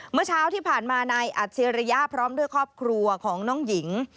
เมื่อเช้าที่ผ่านมานายอัจฉริยะพร้อมด้วยครอบครัวของน้องหญิง